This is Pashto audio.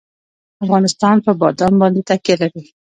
افغانستان په بادام باندې تکیه لري.